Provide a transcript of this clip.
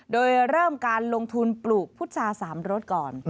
โดยเริ่มการลงทุนปลูกพุชาสามรสก่อน